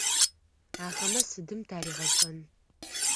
Ахэмэ сыдым таригъэшӏэн?